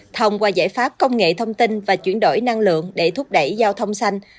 thông qua giải pháp công nghệ thông tin và chuyển đổi năng lượng để thúc đẩy giao thông xanh